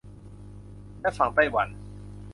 และฝั่งไต้หวัน